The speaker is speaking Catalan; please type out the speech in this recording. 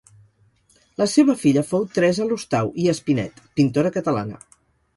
La seva filla fou Teresa Lostau i Espinet, pintora catalana.